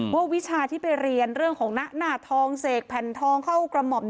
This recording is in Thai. วิชาที่ไปเรียนเรื่องของหน้าทองเสกแผ่นทองเข้ากระหม่อม